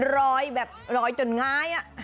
รอยแบบรอยจนง้าย